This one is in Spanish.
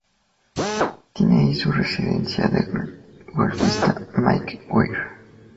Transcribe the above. Tiene allí su residencia el golfista Mike Weir.